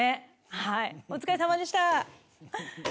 はいお疲れさまでした。